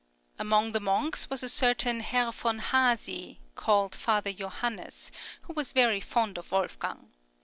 Among the monks was a certain Herr v. Haasy, called Father Johannes, who was very fond of Wolfgang.